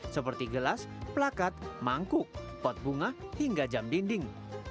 seperti gelas plakat mangkuk pot bunga hingga jam dinding